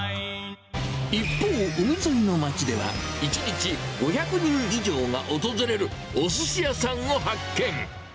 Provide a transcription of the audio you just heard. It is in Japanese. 一方、海沿いの街では、１日５００人以上が訪れるおすし屋さんを発見。